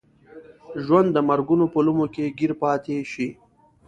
ژوند د مرګونو په لومو کې ګیر پاتې شي.